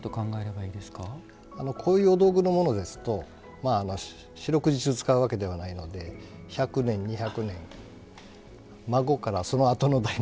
こういうお道具のものですと四六時中使うわけではないので１００年２００年孫からそのあとの代までお使い頂けます。